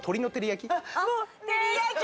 照り焼き